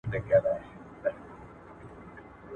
چي له هري خوا یې ګورم توري شپې توري تیارې وي `